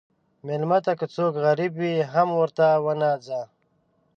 مېلمه ته که څوک غریب وي، هم ورته وناځه.